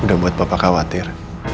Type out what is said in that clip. udah buat papa khawatir